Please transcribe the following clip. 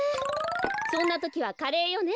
そんなときはカレーよね。